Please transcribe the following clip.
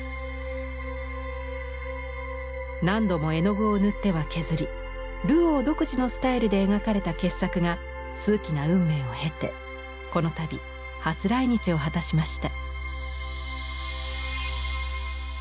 何度も絵の具を塗っては削りルオー独自のスタイルで描かれた傑作が数奇な運命を経てこのたび初来日を果たしました。